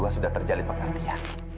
sudah terjadi pengertian